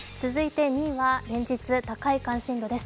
２位は連日、高い関心度です。